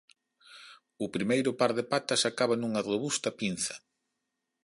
O primeiro par de patas acaba nunha robusta pinza.